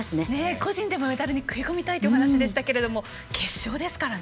個人でもメダルに食い込みたいというお話でしたが決勝ですからね。